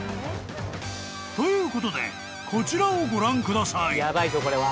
［ということでこちらをご覧ください］